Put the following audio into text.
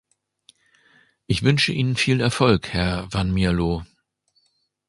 Ich wünsche Ihnen viel Erfolg, Herr Van Mierlo.